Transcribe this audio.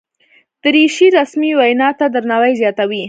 دریشي رسمي وینا ته درناوی زیاتوي.